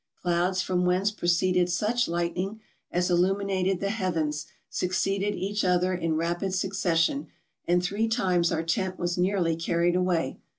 Clouds from whence proceeded such lightning as illuminated the heavens succeeded each other in rapid succession; and three times our tent was nearly carried away.